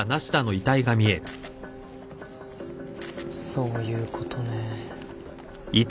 そういうことね。